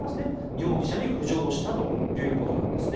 容疑者に浮上したということです。